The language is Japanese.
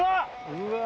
うわ。